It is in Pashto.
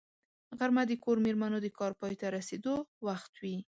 غرمه د کور مېرمنو د کار پای ته رسېدو وخت وي